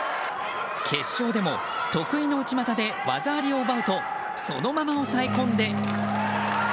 決勝でも得意の内股で技ありを奪うとそのまま押さえ込んで。